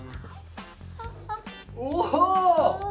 お！